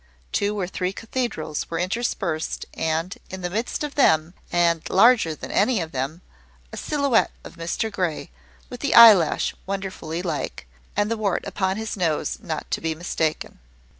Two or three cathedrals were interspersed; and, in the midst of them, and larger than any of them, a silhouette of Mr Grey, with the eyelash wonderfully like, and the wart upon his nose not to be mistaken.